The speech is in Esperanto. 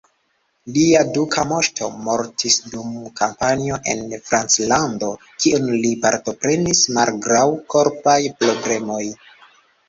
Lia duka moŝto mortis dum kampanjo en Franclando kiun li partoprenis malgraŭ korpaj problemoj.